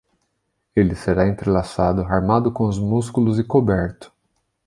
Ele será entrelaçado, armado com os músculos e coberto.